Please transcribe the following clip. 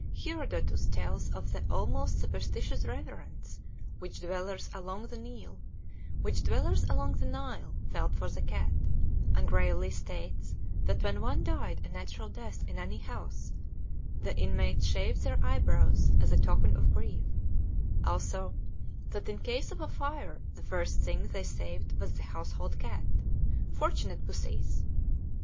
Herodotus tells of the almost superstitious reverence which dwellers along the Nile felt for the cat, and gravely states that when one died a natural death in any house, the inmates shaved their eyebrows as a token of grief; also, that in case of a fire the first thing they saved was the household cat. Fortunate pussies!